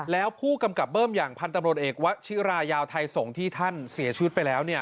แล้วผู้กำกับเบิ้มอย่างพันธุ์ตำรวจเอกวชิรายาวไทยส่งที่ท่านเสียชีวิตไปแล้ว